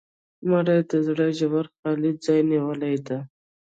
مړه د زړه ژور خالي ځای نیولې ده